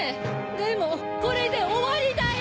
でもこれでおわりだよ！